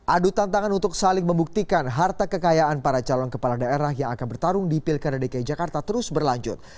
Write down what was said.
adu tantangan untuk saling membuktikan harta kekayaan para calon kepala daerah yang akan bertarung di pilkada dki jakarta terus berlanjut